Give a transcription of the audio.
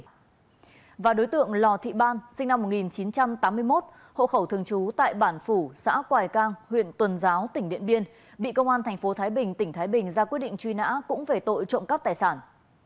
cũng phạm tội trộm cấp tài sản và phải nhận quyết định truy nã đối tượng lò thị ban sinh năm một nghìn chín trăm tám mươi một hộ khẩu thường trú tại bản phủ xã quài cang huyện tuần giáo tỉnh điện biên bị công an thành phố thái bình tỉnh thái bình ra quyết định truy nã cũng về tội trộm cấp tài sản